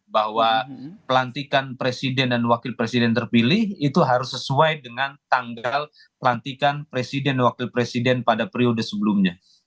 bahwa pelantikan presiden dan wakil presiden terpilih itu harus sesuai dengan tanggal pelantikan presiden dan wakil presiden pada periode sebelumnya